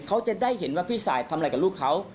เขาจะได้เห็นว่าพี่สายทำอะไรกับลูกเขา